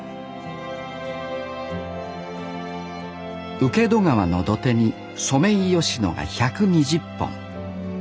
請戸川の土手にソメイヨシノが１２０本。